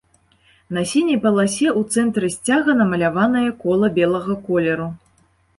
На сіняй паласе ў цэнтры сцяга намаляванае кола белага колеру.